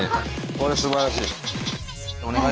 これすばらしい。